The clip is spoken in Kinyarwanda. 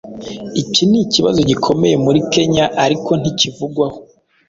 iki ni ikibazo gikomeye muri kenya ariko ntikivugwaho